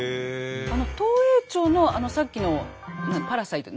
あの東栄町のさっきのパラサイト？